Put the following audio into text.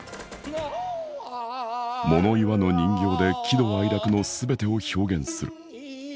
物言わぬ人形で喜怒哀楽の全てを表現する。